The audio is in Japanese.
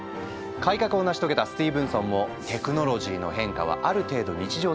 改革を成し遂げたスティーブンソンも「テクノロジーの変化はある程度日常的になってきた。